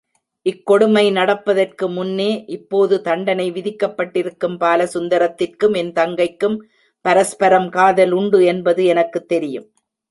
இக்கொடுமை நடப்பதற்குமுன்னே இப்போது தண்டனை விதிக்கப்பட்டிருக்கும் பாலசுந்தரத்திற்கும் என் தங்கைக்கும் பரஸ்பரம் காதல் உண்டு என்பது எனக்குத் தெரியும்.